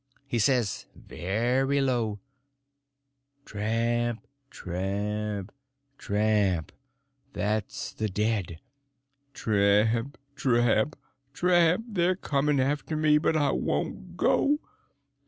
He says, very low: "Tramp—tramp—tramp; that's the dead; tramp—tramp—tramp; they're coming after me; but I won't go.